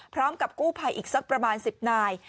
พร้อมกับกู้ภัยอีกสักประมาณ๑๐นาย